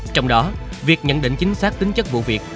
trong đó việc nhận định chính xác tính chất vụ việc